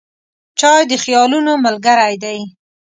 چای د خیالونو ملګری دی.